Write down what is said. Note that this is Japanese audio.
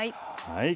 はい。